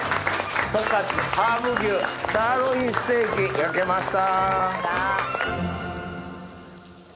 十勝ハーブ牛サーロインステーキ焼けました。